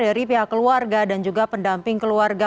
dari pihak keluarga dan juga pendamping keluarga